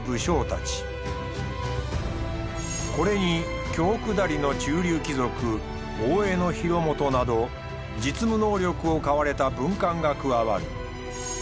これに京下りの中流貴族大江広元など実務能力を買われた文官が加わる。